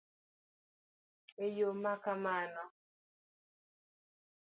E yo ma kamano